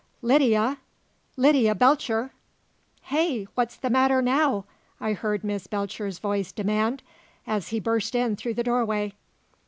"Lydia! Lydia Belcher!" "Hey! What's the matter now?" I heard Miss Belcher's voice demand, as he burst in through the doorway.